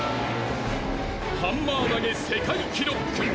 「ハンマー投げ世界記ロック！」